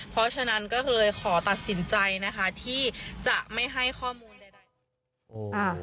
เพราะฉะนั้นก็เลยขอตัดสินใจนะคะที่จะไม่ให้ข้อมูลใด